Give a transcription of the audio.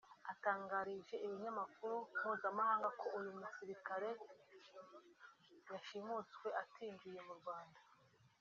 atangarije ibinyamakuru mpuzamahanga ko uyu musirikare yashimuswe atinjiye mu Rwanda